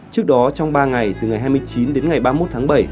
trước đó trong ba ngày từ ngày hai mươi chín đến ngày ba mươi một tháng bảy